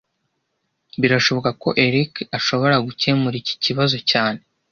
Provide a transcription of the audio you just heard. Birashoboka ko Eric ashobora gukemura iki kibazo cyane